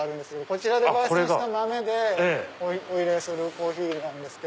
こちらで焙煎した豆でお入れするコーヒーなんです。